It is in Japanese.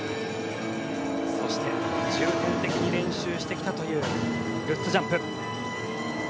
そして重点的に練習してきたというルッツジャンプ。